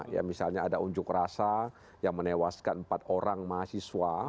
ya misalnya ada unjuk rasa yang menewaskan empat orang mahasiswa